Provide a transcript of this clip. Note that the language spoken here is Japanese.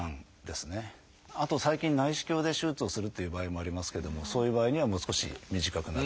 あと最近内視鏡で手術をするっていう場合もありますけれどもそういう場合にはもう少し短くなると。